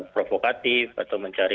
provokatif atau mencari